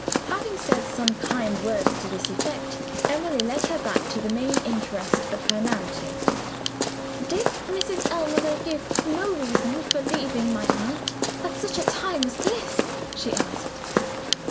Having said some kind words to this effect, Emily led her back to the main interest of her narrative. "Did Mrs. Ellmother give no reason for leaving my aunt, at such a time as this?" she asked.